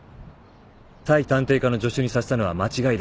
対探偵課の助手にさせたのは間違いだ。